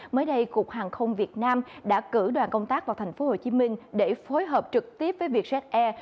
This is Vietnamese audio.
mới đây cục hàng không việt nam đã cử đoàn công tác vào thành phố hồ chí minh để phối hợp trực tiếp với vietjet air